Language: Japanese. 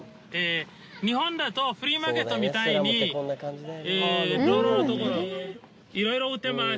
日本だとフリーマーケットみたいに道路のところいろいろ売ってます。